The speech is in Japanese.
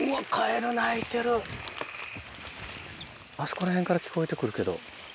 あそこら辺から聞こえて来るけど。